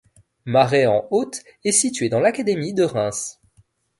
Maraye-en-Othe est située dans l'académie de Reims.